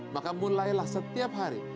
maka mulailah setiap hari